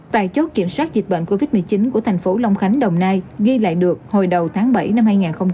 tại chốt kiểm soát dịch bệnh covid một mươi chín của thành phố long khánh đồng nai ghi lại được hồi đầu tháng bảy năm hai nghìn hai mươi